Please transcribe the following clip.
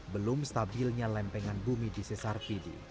belum stabilnya lempengan bumi di sesar pidi